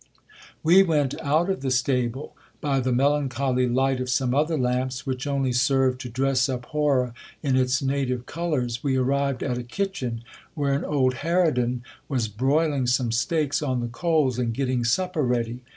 We went out of the stable. By the melancholy light of some other lamps, which only served to dress up horror in its native colours, we arrived at a kitchen where an old harridan was broiling some steaks on the coals, and getting supper ready.